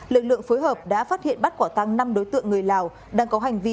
lực lượng phối hợp đã phát hiện bắt quả tăng năm đối tượng người lào đang có hành vi